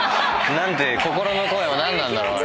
心の声は何なんだろう？